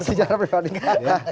sejarah pribadi kakak